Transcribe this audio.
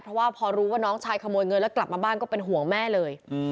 เพราะว่าพอรู้ว่าน้องชายขโมยเงินแล้วกลับมาบ้านก็เป็นห่วงแม่เลย